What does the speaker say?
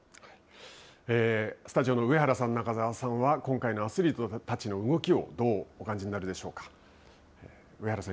スタジオの上原さん中澤さんは今回のアスリートたちの動きをどうお感じになるでしょうか。